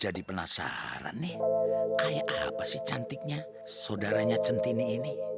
jadi penasaran nih kayak apa sih cantiknya saudaranya cantini ini